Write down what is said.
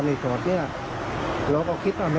อืม